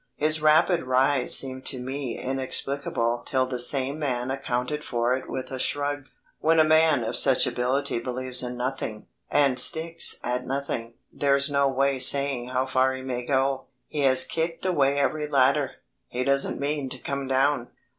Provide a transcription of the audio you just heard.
His rapid rise seemed to me inexplicable till the same man accounted for it with a shrug: "When a man of such ability believes in nothing, and sticks at nothing, there's no saying how far he may go. He has kicked away every ladder. He doesn't mean to come down."